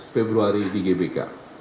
tujuh belas februari di gbk